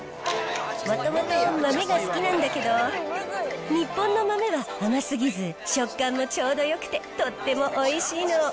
もともと豆が好きなんだけど、日本の豆は甘すぎず、食感もちょうどよくて、とってもおいしいの。